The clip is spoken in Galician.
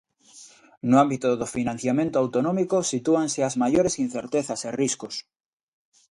No ámbito do financiamento autonómico sitúanse as maiores incertezas e riscos.